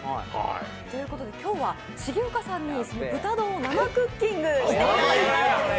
今日は重岡さんにその豚丼を生クッキングしていただきます。